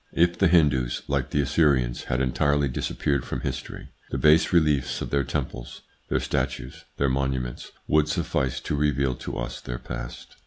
If the Hindus, like the Assyrians, had entirely dis appeared from history, the bas reliefs of their temples, their statues, their monuments would suffice to reveal to us their past.